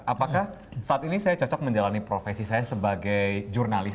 apakah saat ini saya cocok menjalani profesi saya sebagai jurnalis